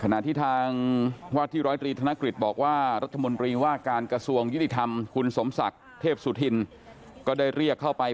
๖น่าจัดราคามีส่วนช่วยให้คดีนี้คลิปลายได้โดยเร็วคุณ